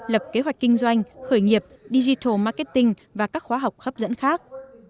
lập kế hoạch kinh doanh khởi nghiệp digital marketing và các khóa học hấp dẫn khác